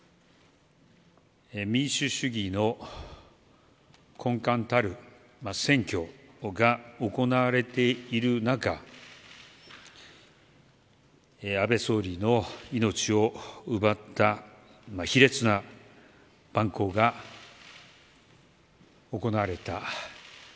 民主主義の根幹たる選挙が行われている中安倍総理の命を奪った卑劣な蛮行が行われた。